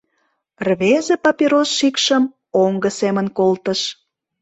Рвезе папирос шикшым оҥго семын колтыш.